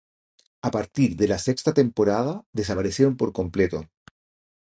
A partir de la sexta temporada desaparecieron por completo.